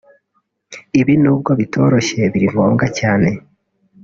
ibi nubwo bitoroshye biri ngombwa cyane